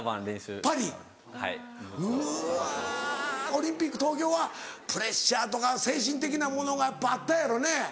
オリンピック東京はプレッシャーとか精神的なものがやっぱあったやろね。